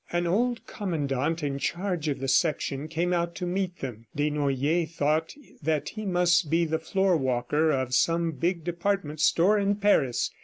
An old commandant in charge of the section came out to meet them. Desnoyers thought that he must be the floorwalker of some big department store in Paris.